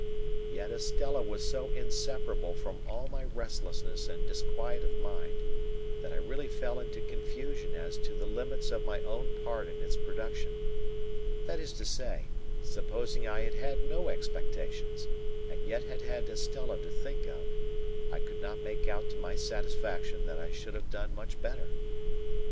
Yet Estella was so inseparable from all my restlessness and disquiet of mind, that I really fell into confusion as to the limits of my own part in its production. That is to say, supposing I had had no expectations, and yet had had Estella to think of, I could not make out to my satisfaction that I should have done much better.